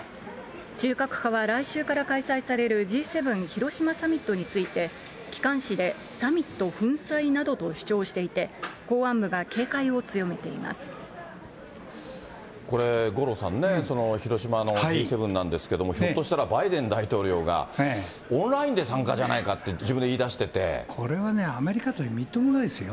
中核派は来週から開催されるＧ７広島サミットについて、機関紙で、サミット粉砕などと主張していて、これ、五郎さん、広島のＧ７なんですけれども、ひょっとしたらバイデン大統領が、オンラインで参加じゃないかって、これはね、アメリカってみっともないですよ。